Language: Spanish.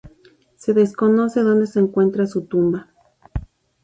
Se desconoce dónde se encuentra su tumba.